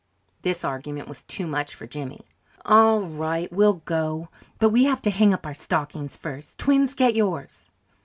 This argument was too much for Jimmy. "All right, we'll go. But we have to hang up our stockings first. Twins, get yours."